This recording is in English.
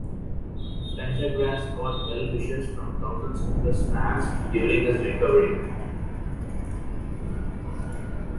Pendergrass got well-wishes from thousands of his fans during his recovery.